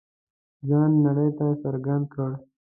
ځان نړۍ ته څرګند کړ.